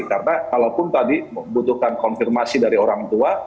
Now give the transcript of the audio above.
karena kalaupun tadi membutuhkan konfirmasi dari orang tua